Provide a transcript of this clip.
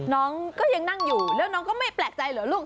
น้องก็ยังนั่งอยู่แล้วน้องก็ไม่แปลกใจเหรอลูก